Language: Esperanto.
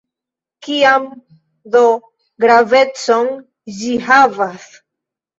Kian do gravecon ĝi havas?